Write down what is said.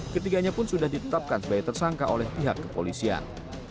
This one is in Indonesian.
ketiganya pun sudah ditetapkan sebagai tersangka oleh pihak kepolisian